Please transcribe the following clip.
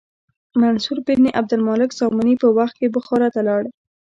د منصور بن عبدالمالک ساماني په وخت کې بخارا ته لاړ.